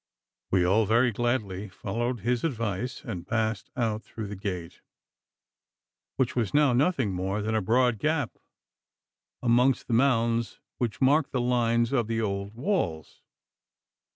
We all very gladly followed his advice, and passed out through the gate, which was now nothing more than a broad gap amongst the mounds which marked the lines of the old walls.